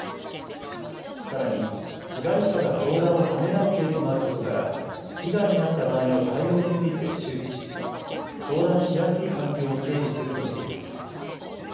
さらに被害者が相談をためらうケースもあることから被害に遭った場合の対応について周知し相談しやすい環境を整備するとしています。